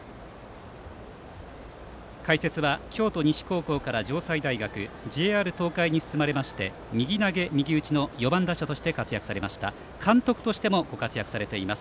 解説は京都西高校から城西大学ＪＲ東海に進まれまして右投げ右打ちの４番打者として活躍され監督としてもご活躍されています